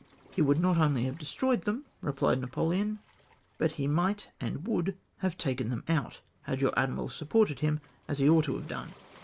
" 'He would not only have destroyed them,' replied Napoleon, 'but he might and ivould have taken tJtem out, had your admiral supported him as he ought to have done.